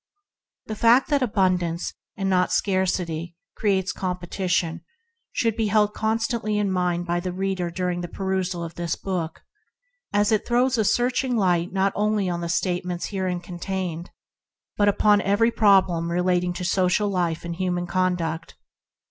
The fact that abundance and not scarcity creates competition, should be held con stantly in mind by the reader during the perusal of this book, as it throws a searching light not only on the statements herein con tained, but upon every problem relating to social life and human conduct.